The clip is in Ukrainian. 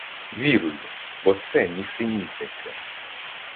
Вірую, бо це — нісенітниця!